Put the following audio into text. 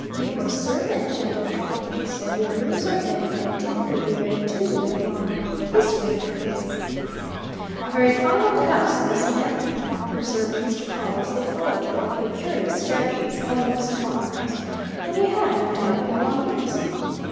"Your servant, gentlemen," she said. "Your rooms are ready, and dinner will be ready, too, when you are. This way, if you please." "A very fine old house this, ma'am," observed Mr. Pawle as they followed her up a curious staircase, all nooks and corners. "And you have, no doubt, been long in it?"